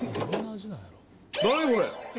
何これ。